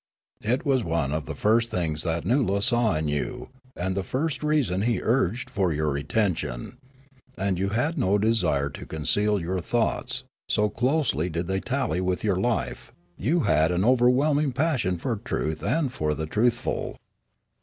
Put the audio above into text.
It was one of the first things that Noola saw in you, and the first reason he urged for your retention ; you had no desire to conceal your thoughts, so closely did they tally with your life; you had an overwhelming passion for truth and for the truthful.